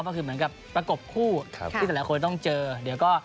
มันคือเหมือนกับประกบคู่ครับที่แต่ละคนจะต้องเจอเดี๋ยวก็